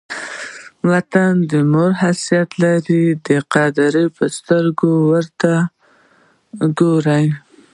وطن د مور حیثیت لري؛ د قدر په سترګه ور ته ګورئ!